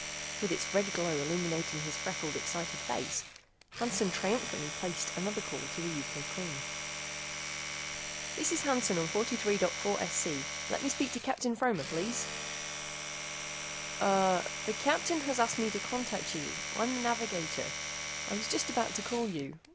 With its red glow illuminating his freckled excited face, Hansen triumphantly placed another call to the Euclid Queen. "This is Hansen on 43.4SC. Let me speak to Captain Fromer, please." "Er the Captain has asked me to contact you. I'm the navigator. I was just about to call you.